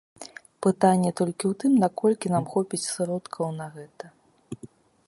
Пытанне толькі ў тым, наколькі нам хопіць сродкаў на гэта.